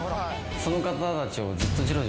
その方たちを。